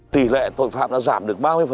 tỷ lệ tội phạm đã giảm được